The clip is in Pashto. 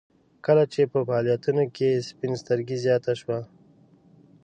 کله چې په فعالیتونو کې سپین سترګي زیاته شوه